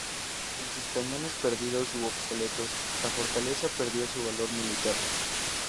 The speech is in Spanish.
Con sus cañones perdidos u obsoletos, la fortaleza perdió su valor militar.